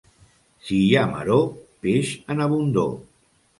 Si hi ha maror, peix en abundor.